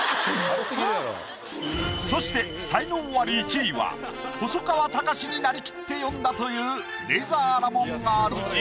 そして才能アリ１位は細川たかしになりきって詠んだというレイザーラモンＲＧ。